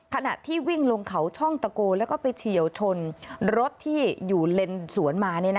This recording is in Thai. ขณะที่วิ่งลงเขาช่องตะโกแล้วก็ไปเฉียวชนรถที่อยู่เลนสวนมา